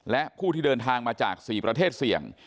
และผู้ที่เดินทางมาจาก๔ประเทศเสี่ยง